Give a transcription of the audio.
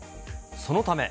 そのため。